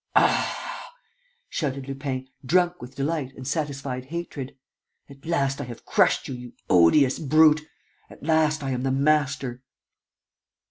"Ah!" shouted Lupin, drunk with delight and satisfied hatred. "At last I have crushed you, you odious brute! At last I am the master!"